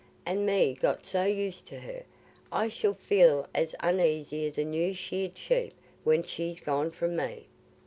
An' me got so used to her! I shall feel as uneasy as a new sheared sheep when she's gone from me.